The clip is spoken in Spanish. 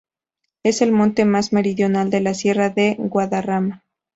Es el monte más meridional de la sierra de Guadarrama.